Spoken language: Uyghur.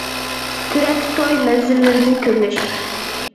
سۈرەتتە: توي مەنزىرىلىرىدىن كۆرۈنۈش.